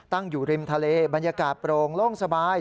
ตั้งอยู่ริมทะเลบรรยากาศโปร่งโล่งสบาย